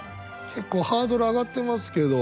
結構ハードル上がってますけど。